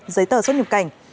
giấy tờ xuất nhập cảnh